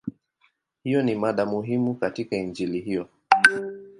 Hiyo ni mada muhimu katika Injili hiyo.